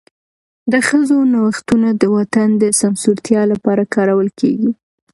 د ښځو نوښتونه د وطن د سمسورتیا لپاره کارول کېږي.